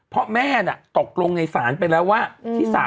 เพราะแม่น่ะตกลงในศาลไปแล้วว่าที่๓๐๐๐๐